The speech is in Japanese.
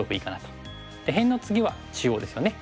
で辺の次は中央ですよね。